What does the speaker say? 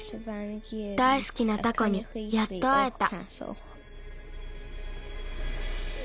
だいすきなタコにやっとあえた。